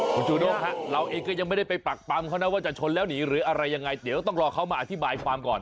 คุณจูด้งฮะเราเองก็ยังไม่ได้ไปปักปั๊มเขานะว่าจะชนแล้วหนีหรืออะไรยังไงเดี๋ยวต้องรอเขามาอธิบายความก่อน